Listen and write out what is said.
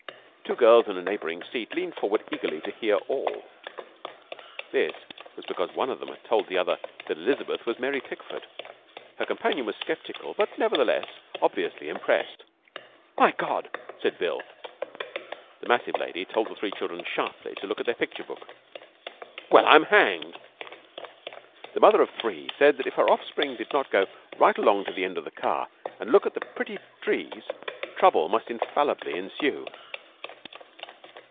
Two girls in a neighbouring seat leaned forward eagerly to hear all. This was because one of them had told the other that Elizabeth was Mary Pickford. Her companion was sceptical, but nevertheless obviously impressed. 'My God!' said Bill. The massive lady told the three children sharply to look at their picture book. 'Well, I'm hanged!' The mother of three said that if her offspring did not go right along to the end of the car and look at the pretty trees trouble must infallibly ensue.